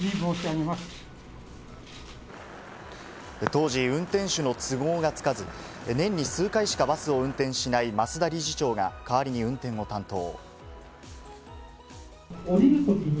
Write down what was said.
当時、運転手の都合がつかず年に数回しかバスを運転しない増田理事長が代わりに運転を担当。